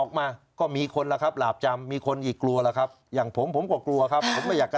ผมไม่อยากกระทำความผิดและผมไม่อยากกลับเข้าไปใหม่